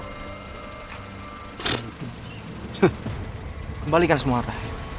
kembalikan semua harta